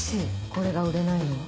これが売れないのは。